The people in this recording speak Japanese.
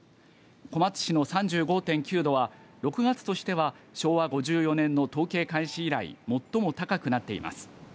小松市の３５．９度は６月としては昭和５４年の統計開始以来最も高くなっています。